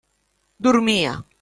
Dormia.